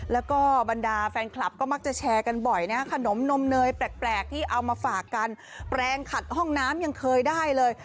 แล้วก็บรรดาแฟนคลับก็มักจะแชร์กันบ่อยนะขนมนมเนยแปลกที่เอามาฝากกันแปลงขัดห้องน้ำยังเคยได้เลย